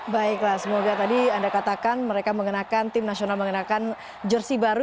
baiklah semoga tadi anda katakan mereka mengenakan tim nasional mengenakan jersi baru